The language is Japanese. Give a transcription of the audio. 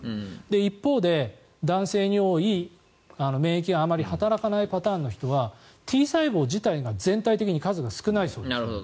一方で、男性に多い免疫があまり働かないパターンの人はＴ細胞自体が全体的に数が少ないそうです。